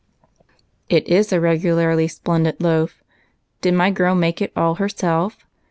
" "It is a regularly splendid loaf! Did my girl make it all herself?"